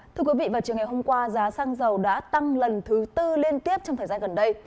thưa quý vị vào chiều ngày hôm qua giá xăng dầu đã tăng lần thứ tư liên tiếp trong thời gian gần đây